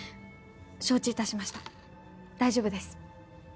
承知いたしました大丈夫です。